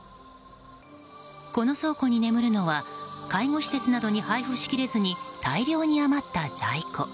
この倉庫に眠るのは介護施設などに配布しきれずに大量に余った在庫。